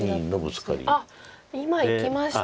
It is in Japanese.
あっ今いきましたね。